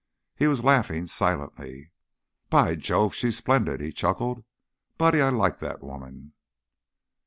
He was laughing silently. "By Jove! She's splendid!" he chuckled. "Buddy, I I like that woman."